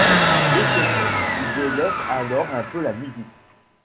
De ce fait, il délaisse alors un peu la musique.